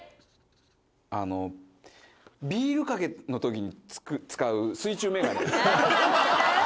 あの、ビールかけのときに使う水中眼鏡。